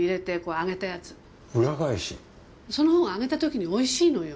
そのほうが揚げたときにおいしいのよ。